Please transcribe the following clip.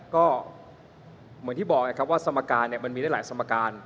ก็เหมือนที่บอกไงครับว่าสมการมันมีได้หลายสมการ